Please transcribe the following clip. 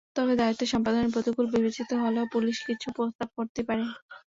তবে দায়িত্ব সম্পাদনে প্রতিকূল বিবেচিত হলে পুলিশ কিছু প্রস্তাব করতেই পারে।